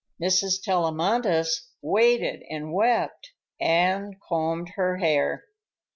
Mrs. Tellamantez waited and wept and combed her hair.